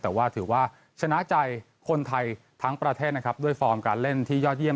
แต่ว่าถือว่าชนะใจคนไทยทั้งประเทศนะครับด้วยฟอร์มการเล่นที่ยอดเยี